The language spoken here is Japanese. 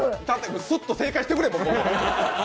スッと正解してくれ！